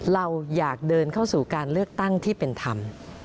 เราอยากเดินเข้าสู่การเลือกตั้งที่เป็นธรรม